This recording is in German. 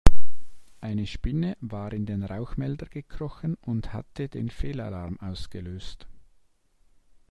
Eine Spinne war in den Rauchmelder gekrochen und hatte den Fehlalarm ausgelöst.